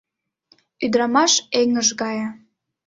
Ӱдырамаш эҥыж гае.